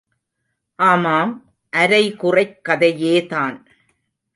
ஆமாம், அரைகுறைக் கதையேதான்!